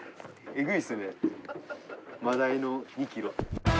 えぐいっすよねマダイの２キロ。